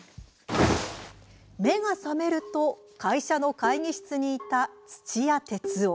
目が覚めると会社の会議室にいた土屋徹生。